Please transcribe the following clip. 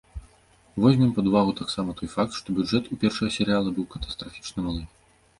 Возьмем пад увагу таксама той факт, што бюджэт у першага серыяла быў катастрафічна малы.